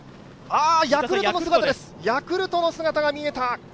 ヤクルトの姿が見えた。